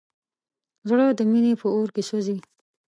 زړه د مینې په اور کې سوځي.